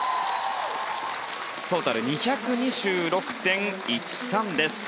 トータル２２６．１３です。